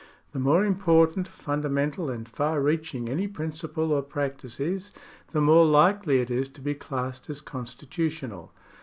The more important, fundamental, and far reaching any principle or practice is, the more likely it is to be classed as constitu tional.